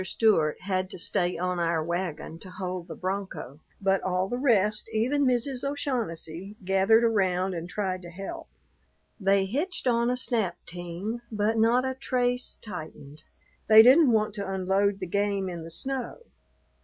Stewart had to stay on our wagon to hold the bronco, but all the rest, even Mrs. O'Shaughnessy, gathered around and tried to help. They hitched on a snap team, but not a trace tightened. They didn't want to unload the game in the snow.